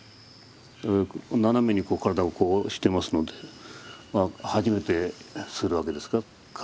斜めに体をこうしてますのでまあ初めてするわけですから体が苦痛ですよね。